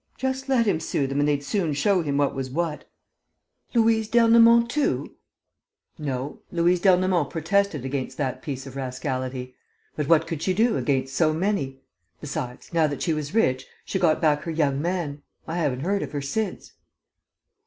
Just let him sue them and they'd soon show him what was what!" "Louise d'Ernemont too?" "No, Louise d'Ernemont protested against that piece of rascality. But what could she do against so many? Besides, now that she was rich, she got back her young man. I haven't heard of her since."